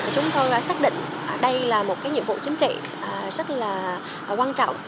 chúng tôi xác định đây là một nhiệm vụ chính trị rất là quan trọng